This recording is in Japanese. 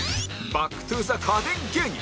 バック・トゥ・ザ家電芸人